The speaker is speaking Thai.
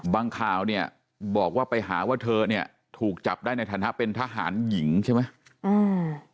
ข่าวเนี่ยบอกว่าไปหาว่าเธอเนี่ยถูกจับได้ในฐานะเป็นทหารหญิงใช่ไหมอืม